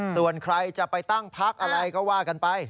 ส่วนใครจะไปตั้งพักอะไรก็ว่ากันไป